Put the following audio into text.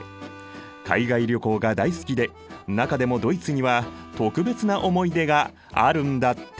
海外旅行が大好きで中でもドイツには特別な思い出があるんだって！